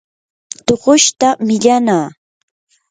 tuqushta millanaa.